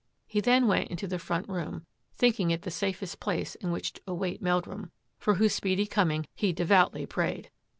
He then went into the front room, thinking it the safest place in which to await Meldrum, for whose speedy coming he devoutly prayed.